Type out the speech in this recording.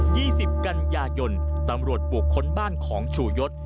ยี่สิบกันยายนตร์ตำรวจปลูกค้นบ้านของชูยศ